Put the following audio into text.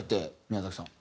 宮崎さん。